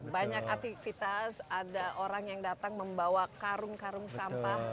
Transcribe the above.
banyak aktivitas ada orang yang datang membawa karung karung sampah